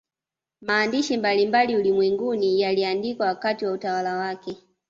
Maandishi mbalimbali ulimwenguni yaliandikwa wakati wa utawala wake